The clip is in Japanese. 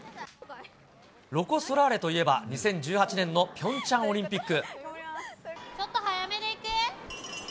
ロコ・ソラーレといえば、２０１８年のピョンチャンオリンピック。